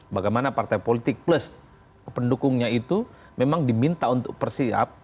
bagaimana partai politik plus pendukungnya itu memang diminta untuk persiap